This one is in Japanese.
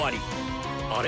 あれ？